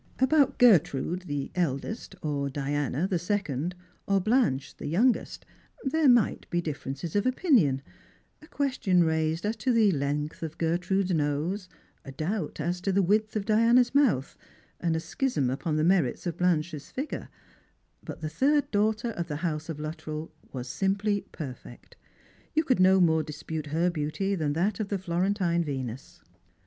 About Gertrude the eldest, or Diana the second, or Blanche the youngest, there might be differences of opinion — a question raised as to the length of Gertrude's nose, a doubt as to the width of Diana's mouth, a schism upon the merits of Blanche's figure; but the third daughter of the house of Luttrell was simply perfect; you could no more dispute her beauty than that of the Florentine Venus.